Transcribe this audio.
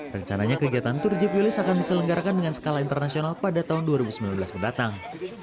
rencananya kegiatan tour jeep willy akan diselenggarakan dengan skala internasional pada tahun dua ribu sembilan belas mendatang